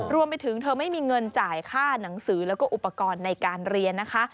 รวมไปถึงเธอไม่มีเงินจ่ายค่าหนังสือแล้วก็อุปกรณ์ในการเรียนนะคะ